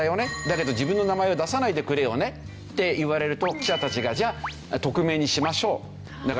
だけど自分の名前は出さないでくれよねって言われると記者たちがじゃあ匿名にしましょうだから名前は出しません。